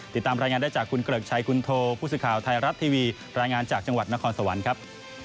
ติดตามรายงานได้จากคุณเกริกชัยคุณโทผู้สื่อข่าวไทยรัฐทีวีรายงานจากจังหวัดนครสวรรค์ครับ